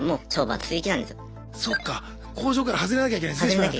そっか工場から外れなきゃいけないんですねしばらく。